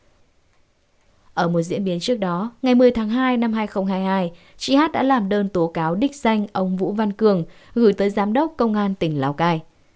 trong một diễn biến trước đó ngày một mươi tháng hai năm hai nghìn hai mươi hai chị hát đã làm đơn tố cáo đích danh ông vũ văn cường gửi tới giám đốc công an tỉnh lào cai